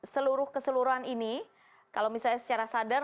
seluruh keseluruhan ini kalau misalnya secara sadar